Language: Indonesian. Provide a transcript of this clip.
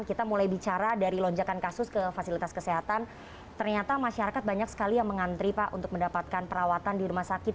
kita mulai bicara dari lonjakan kasus ke fasilitas kesehatan ternyata masyarakat banyak sekali yang mengantri pak untuk mendapatkan perawatan di rumah sakit